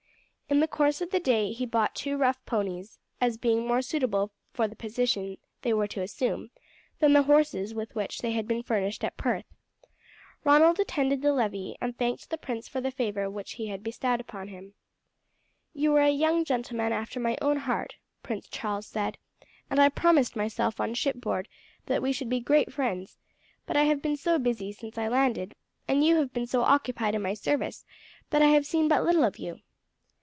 In the course of the day he bought two rough ponies, as being more suitable for the position they were to assume than the horses with which they had been furnished at Perth. Ronald attended the levee, and thanked the prince for the favour which he bestowed upon him. "You are a young gentleman after my own heart," Prince Charles said, "and I promised myself on shipboard that we should be great friends; but I have been so busy since I landed, and you have been so occupied in my service, that I have seen but little of you.